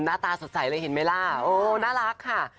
หน้าตาสดใสเลยเห็นไหมล่ะโอ้น่ารักค่ะ